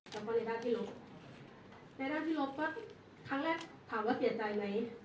แล้วก็รายได้ที่ลบในด้านที่ลบก็ครั้งแรกถามว่าเสียใจไหม